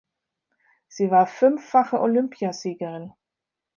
Sie war fünffache Olympiasiegerin.